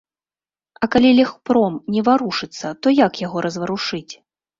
А калі легпрам не варушыцца, то як яго разварушыць?